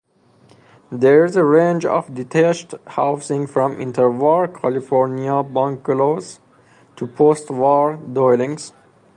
There is a range of detached housing from inter-war California bungalows to post-war dwellings.